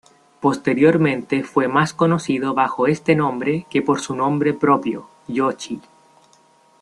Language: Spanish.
Posteriormente fue más conocido bajo este nombre que por su nombre propio Joshi.